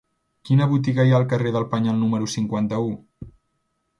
Quina botiga hi ha al carrer del Penyal número cinquanta-u?